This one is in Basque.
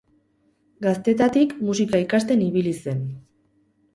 Gaztetatik musika ikasten ibili zen.